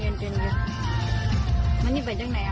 เอิ้นจูนุนว่าพ่อพ่อจูนโงค่ะ